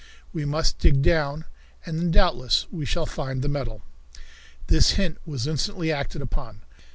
We must dig down, and then doubtless we shall find the metal." This hint was instantly acted upon.